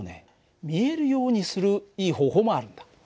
見えるようにするいい方法もあるんだ。